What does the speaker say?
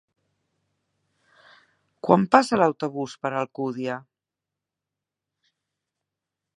Quan passa l'autobús per l'Alcúdia?